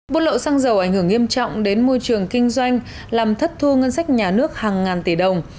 buôn lậu xăng dầu ảnh hưởng nghiêm trọng đến môi trường kinh doanh làm thất thu ngân sách nhà nước hàng ngàn tỷ đồng